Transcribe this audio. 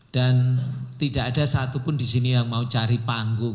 dan tidak ada satupun di sini yang mau cari panggung